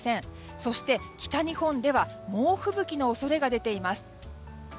そして北日本では猛吹雪の恐れが出ています。